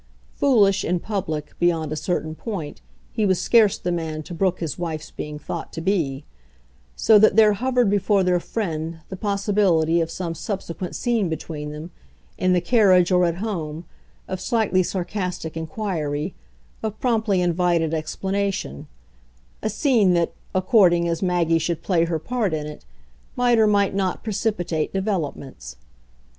Foolish, in public, beyond a certain point, he was scarce the man to brook his wife's being thought to be; so that there hovered before their friend the possibility of some subsequent scene between them, in the carriage or at home, of slightly sarcastic inquiry, of promptly invited explanation; a scene that, according as Maggie should play her part in it, might or might not precipitate developments.